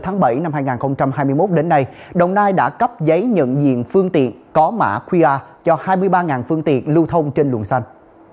năm hai nghìn hai mươi một đến nay đồng nai đã cấp giấy nhận diện phương tiện có mã qia cho hai mươi ba phương tiện lưu thông trên luồng xanh